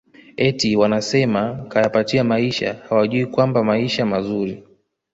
eti wanasema kayapatia maisha hawajui kwamba maisha mazuri